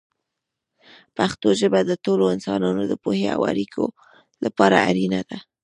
پښتو ژبه د ټولو انسانانو د پوهې او اړیکو لپاره اړینه ده.